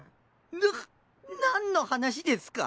くっ何の話ですか？